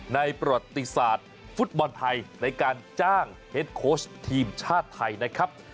ประวัติศาสตร์ฟุตบอลไทยในการจ้างเฮ็ดโค้ชทีมชาติไทยนะครับ